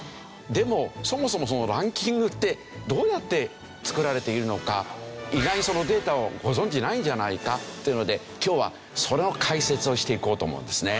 でもそもそもそのランキングってどうやって作られているのか意外にそのデータをご存じないんじゃないかっていうので今日はその解説をしていこうと思うんですね。